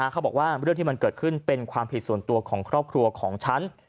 เขาบอกว่าเรื่องที่มันเกิดขึ้นเป็นความผิดส่วนตัวของครอบครัวของฉัน